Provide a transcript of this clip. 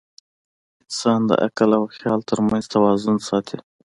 انسان د عقل او خیال تر منځ توازن ساتي.